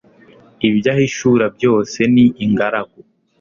ibyo ahishura byose ni ingaragu